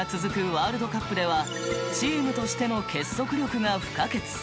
ワールドカップではチームとしての結束力が不可欠。